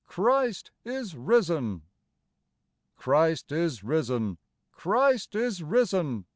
Christ is risen ! Christ is risen ! Christ is risen